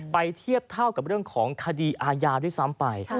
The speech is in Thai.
เทียบเท่ากับเรื่องของคดีอาญาด้วยซ้ำไป